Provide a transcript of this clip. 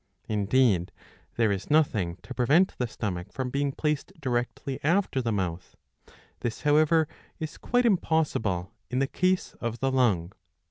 Indeed there is nothing to prevent the stomach from being placed directly after the mouth. This however is quite impossible in the case of the lung.